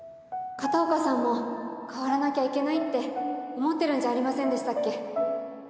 片岡さんも変わらなきゃいけないって思ってるんじゃありませんでしたっけ？